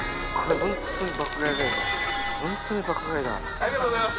ありがとうございます。